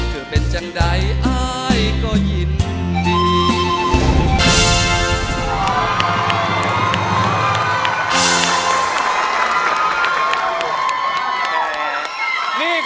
คือเป็นจังใดอายก็ยินดี